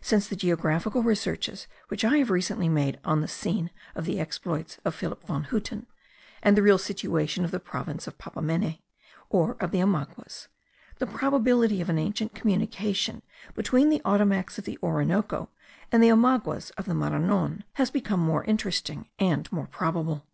Since the geographical researches which I have recently made on the scene of the exploits of Philip von Huten, and the real situation of the province of Papamene, or of the Omaguas, the probability of an ancient communication between the Ottomacs of the Orinoco and the Omaguas of the Maranon has become more interesting and more probable.